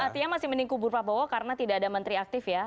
artinya masih mending kubur prabowo karena tidak ada menteri aktif ya